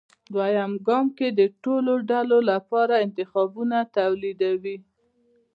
دویم ګام کې د ټولو ډلو لپاره انتخابونه توليدوي.